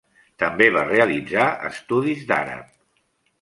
També va realitzar estudis d'àrab.